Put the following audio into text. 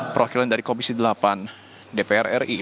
perwakilan dari komisi delapan dpr ri